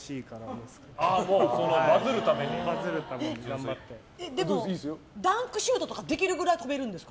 でもダンクシュートとかできるぐらい跳べるんですか？